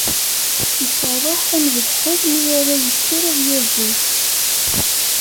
Iferreḥ am lefḥel mi ara yekker ad yazzel.